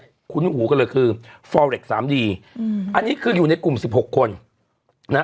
เจอคุ้นหูก็เลยคือโฟลเร็กซ์สามอันนี้คืออยู่ในกลุ่มสิบหกคนนะ